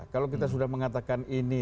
kalau kita sudah mengatakan ini